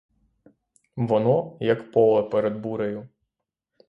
Воно — як поле перед бурею.